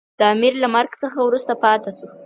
د امیر له مرګ څخه وروسته پاته شو.